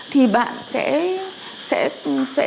thì bạn sẽ